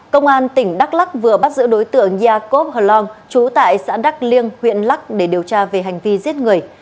công an tỉnh đắk lắc vừa bắt giữ đối tượng jacob hlon chú tại xã đắk liêng huyện lắc để điều tra về hành vi giết người